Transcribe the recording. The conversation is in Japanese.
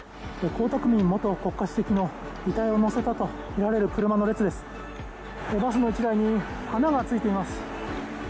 江沢民元国家主席の遺体をのせたとみられる車の列です、バスの１台に花がついています。